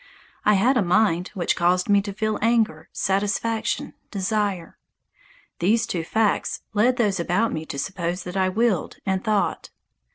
I had a mind which caused me to feel anger, satisfaction, desire. These two facts led those about me to suppose that I willed and thought.